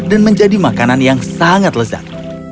menjadi makanan yang sangat lezat